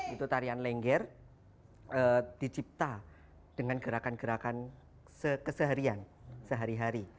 itu tarian lengger dicipta dengan gerakan gerakan keseharian sehari hari